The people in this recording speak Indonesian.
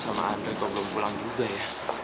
sampai ketatnya sama andre kok belum pulang juga ya